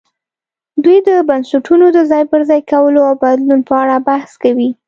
دوی د بنسټونو د ځای پر ځای کولو او بدلون په اړه بحث کوي.